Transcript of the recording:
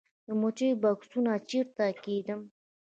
د مچیو بکسونه چیرته کیږدم؟